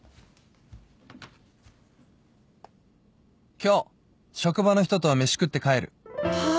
「今日職場の人と飯食って帰る」はあ？